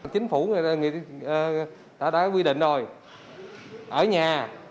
chính phủ đã quy định rồi ở nhà